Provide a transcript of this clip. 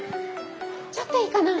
ちょっといいかな。